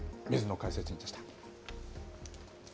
水野解説委員でした。